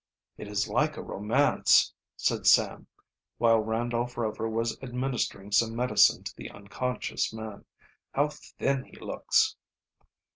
"It is like a romance," said Sam, while Randolph Rover was administering some medicine to the unconscious man. "How thin he looks."